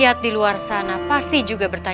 aduh sakit wak